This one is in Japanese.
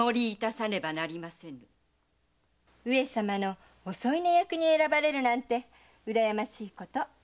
上様のお添い寝役に選ばれるなんてうらやましいこと。